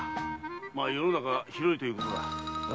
ま世の中は広いということだ。